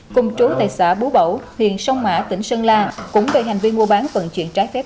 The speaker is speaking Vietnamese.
cùng trú tại xã bú bẩu huyện sông mã tỉnh sơn la cũng gây hành vi mua bán vận chuyển trái phép